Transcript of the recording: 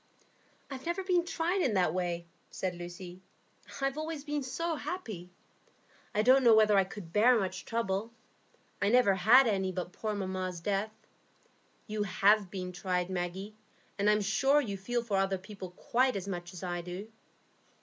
"I've never been tried in that way," said Lucy. "I've always been so happy. I don't know whether I could bear much trouble; I never had any but poor mamma's death. You have been tried, Maggie; and I'm sure you feel for other people quite as much as I do."